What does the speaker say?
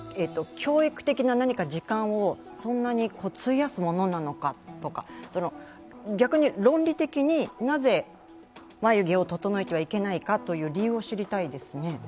教育的な何か時間をそんなに費やすものなのかとか、逆に論理的になぜ、眉毛を整えてはいけないのか理由を知りたいですね。